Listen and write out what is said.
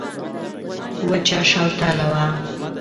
وچه شوتله وه.